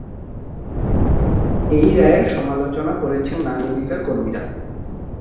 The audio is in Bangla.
এই রায়ের সমালোচনা করেছেন নারী অধিকার কর্মীরা।